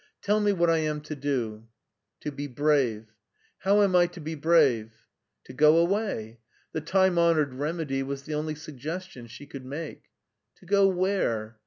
" Tell me what I am to do/' " To be brave/' " How am I to be brave ?"" To go away/' The time honored remedy was the only suggestion she could make. " To go where